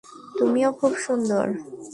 তুমিও খুব সুন্দর।